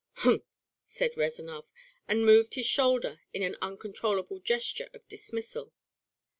"Humph!" said Rezanov, and moved his shoulder in an uncontrollable gesture of dismissal.